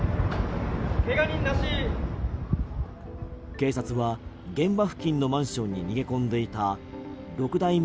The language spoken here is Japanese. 警察は現場付近のマンションに逃げ込んでいた六代目